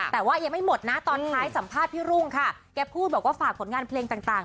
แต่ว่ายังไม่หมดนะตอนท้ายสัมภาษณ์พี่รุ่งค่ะแกพูดบอกว่าฝากผลงานเพลงต่าง